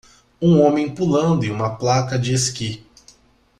Um homem pulando em uma placa de esqui.